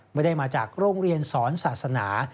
ไม่ได้มาจากโรงเรียนสอนศาสนา